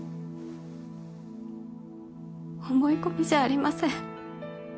思い込みじゃありません。